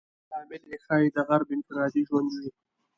لامل یې ښایي د غرب انفرادي ژوند وي.